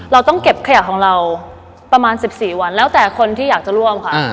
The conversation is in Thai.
เราต้องเก็บขยะของเราประมาณ๑๔วันแล้วแต่คนที่อยากจะร่วมค่ะ